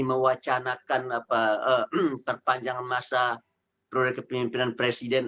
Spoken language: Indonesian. mewacanakan perpanjangan masa periode kepemimpinan presiden